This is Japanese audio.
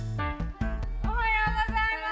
おはようございます！